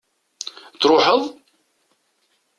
ad truḥeḍ